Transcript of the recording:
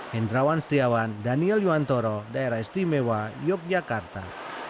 hendrawan setiawan daniel yuwantoro daerah istimewa yogyakarta